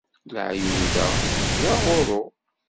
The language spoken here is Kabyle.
Leεyud-a, d aɣurru.